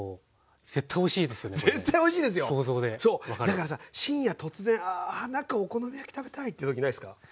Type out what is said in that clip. だからさ深夜突然あなんかお好み焼き食べたいって時ないっすか？